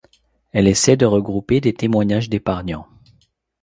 Elle essaie de regrouper des témoignages d'épargnants.